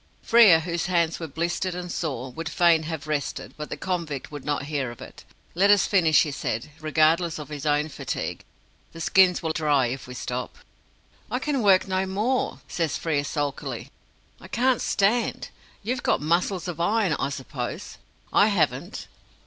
Frere, whose hands were blistered and sore, would fain have rested; but the convict would not hear of it. "Let us finish," he said regardless of his own fatigue; "the skins will be dry if we stop." "I can work no more," says Frere sulkily; "I can't stand. You've got muscles of iron, I suppose. I haven't."